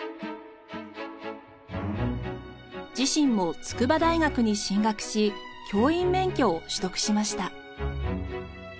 自身も筑波大学に進学し教員免許を取得しました。